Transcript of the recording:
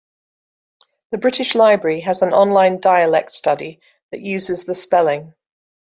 The British Library has an online dialect study that uses the spelling.